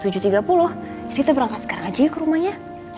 jadi kita berangkat sekarang aja ya ke rumahnya